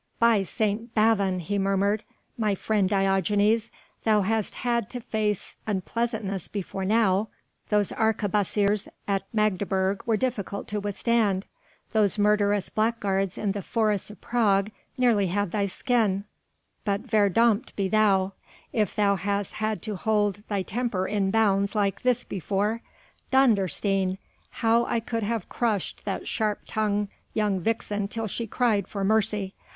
"By St. Bavon," he murmured, "my friend Diogenes, thou hast had to face unpleasantness before now those arquebusiers at Magdeburg were difficult to withstand, those murderous blackguards in the forests of Prague nearly had thy skin, but verdommt be thou, if thou hast had to hold thy temper in bounds like this before. Dondersteen! how I could have crushed that sharp tongued young vixen till she cried for mercy